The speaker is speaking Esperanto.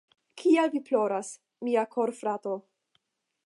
Kial vi ploras, mia korfrato?